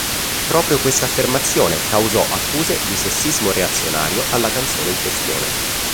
Proprio questa affermazione causò accuse di sessismo reazionario alla canzone in questione.